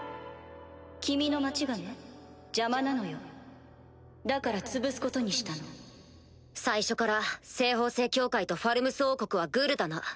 君の町がね邪魔なのよだから潰すことにしたの最初から西方聖教会とファルムス王国はグルだな。